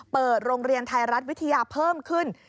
เปิดโรงเรียนไทยรัฐวิทยาเพิ่มขึ้น